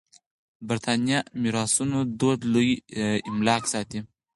برېتانيه میراثونو دود لوی املاک ساتي.